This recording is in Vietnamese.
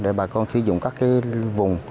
để bà con sử dụng các vùng